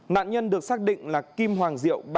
nạn nhân được xác định là kim hoàng diệu